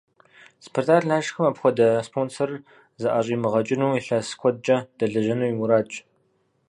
«Спартак-Налшыкым» апхуэдэ спонсорыр зыӀэщӀимыгъэкӀыну, илъэс куэдкӀэ дэлэжьэну и мурадщ.